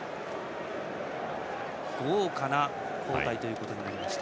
豪華な交代となりました。